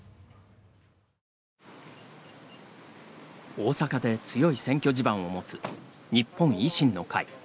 大阪で強い選挙地盤を持つ日本維新の会。